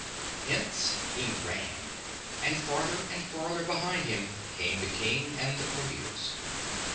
Hence he ran; and, farther and farther behind him, came the king and the courtiers.